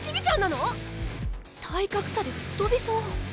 体格差で吹っ飛びそう。